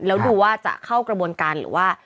แล้วดูว่าจะเข้ากระบวนการหรือว่า